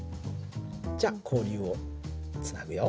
じゃ交流をつなぐよ。